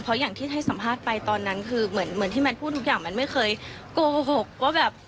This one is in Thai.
เพราะอย่างที่ให้สัมภาษณ์ไปตอนนั้นคือเหมือนที่แมนพูดทุกอย่างมันไม่เคยโกหกว่าแบบ